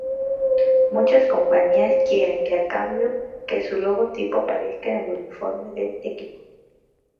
Muchas compañías quieren a cambio que su logotipo aparezca en el uniforme del equipo.